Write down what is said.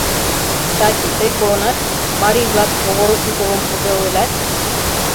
Кстати, тый колынат, марий-влак Огородниковым кузе ойлат?